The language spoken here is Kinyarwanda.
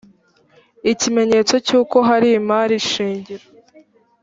ikimenyetso cy’uko hari imari shingiro